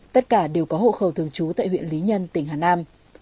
tất cả đều có hộ khẩu thường trú tại huyện lý nhân tỉnh hà nam